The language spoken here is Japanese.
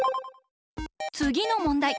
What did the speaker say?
つぎのもんだい。